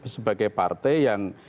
sebagai partai yang